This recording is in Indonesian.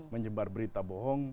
menyebar berita bohong